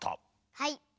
はい。